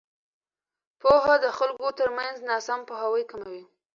پوهه د خلکو ترمنځ ناسم پوهاوی کموي.